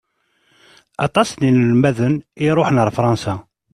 Aṭas n inelmaden i iṛuḥen ar Fransa.